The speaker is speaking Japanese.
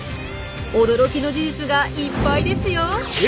驚きの事実がいっぱいですよ！へ！